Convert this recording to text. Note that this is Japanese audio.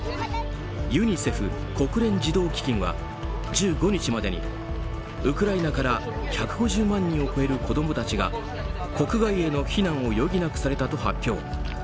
ユニセフ・国連児童基金は１５日までにウクライナから１５０万人を超える子供たちが国外への避難を余儀なくされたと発表。